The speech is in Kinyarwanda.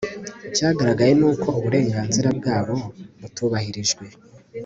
icyagaragaye ni uko uburenganzira bwabo butubahirijwe